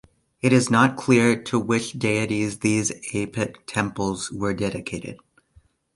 It is not clear to which deities these Apit temples were dedicated.